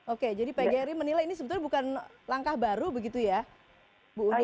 oke jadi pgri menilai ini sebetulnya bukan langkah baru begitu ya bu uni